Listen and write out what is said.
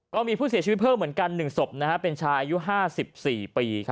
ก็มีผู้เสียชีวิตเพิ่มเหมือนกัน๑ศพเป็นชายอายุ๕๔ปี